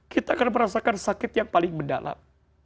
kita akan merasakan sakit yang paling mendalam